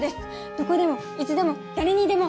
どこでもいつでも誰にでも！